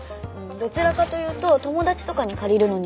どちらかというと友達とかに借りるのに近い感じ？